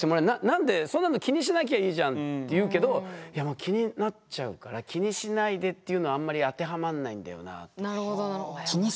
「何でそんなの気にしなきゃいいじゃん」って言うけど気になっちゃうから「気にしないで」っていうのはあんまり当てはまんないんだよなぁ。